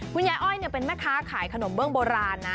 อ้อยเป็นแม่ค้าขายขนมเบื้องโบราณนะ